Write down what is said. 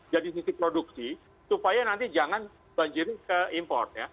jadi sisi produksi supaya nanti jangan banjir ke import